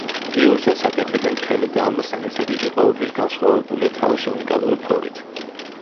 გიურზას აკეთებენ ხელით და ამასთან ერთად იგი ყოველთვის განსხვავებულია თავისი უნიკალური ფორით.